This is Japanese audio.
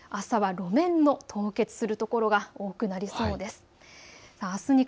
朝は路面の凍結する所が多くなりそうです。